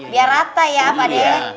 biar rata ya pak